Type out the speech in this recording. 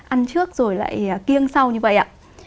ăn trước rồi lại kiêng sau như vậy ạ